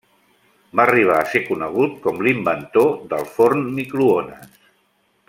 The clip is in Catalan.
Va arribar a ser conegut com l'inventor del forn microones.